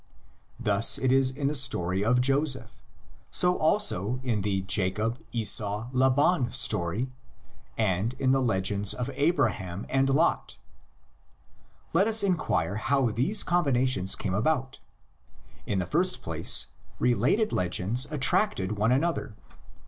Thus it is in the story of Joseph, so also in the Jacob Esau Laban story and in the legends of Abraham and Lot. Let us inquire how these combinations came about. In the first place, related legends attracted one another.